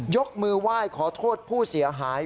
ยกมือไหว้ขอโทษผู้เสียหาย